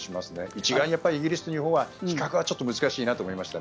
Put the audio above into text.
一概にイギリスと日本は比較は難しいなと思いました。